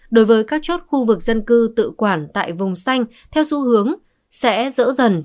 đối với các chốt khu vực dân cư tự quản tại vùng xanh theo xu hướng sẽ dỡ dần